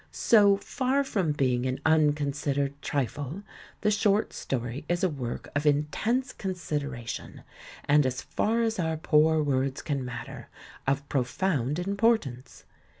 So, far from being an unconsidered trifle, the short story is a work of intense consideration, and as far as our poor words can matter, of profound importance.